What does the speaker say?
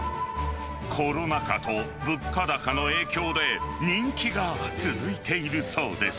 コロナ禍と、物価高の影響で、人気が続いているそうです。